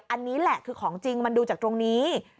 อันนี้แหละคือของจริงมันดูจากตรงนี้